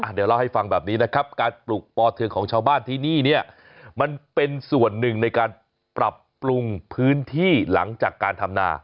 เดี๋ยวเล่าให้ฟังแบบนี้นะครับการปลูกปอเทืองของชาวบ้านที่นี่เนี่ยมันเป็นส่วนหนึ่งในการปรับปรุงพื้นที่หลังจากการทำนา